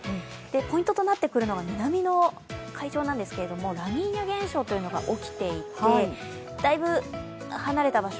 ポイントとなってくるのが南の海上なんですけれども、ラニーニャ現象が起きていてだいぶ離れた場所